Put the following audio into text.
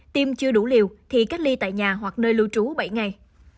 tiêm chưa đủ liều thì cách ly tại nhà hoặc nơi lưu trú bảy ngày